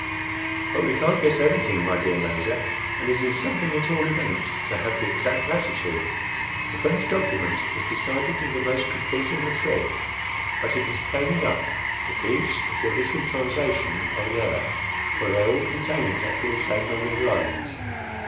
"But we can't get everything, my dear Major; and it is something at all events, to have the exact latitude. The French document is decidedly the most complete of the three; but it is plain enough that each is the literal translation of the other, for they all contain exactly the same number of lines.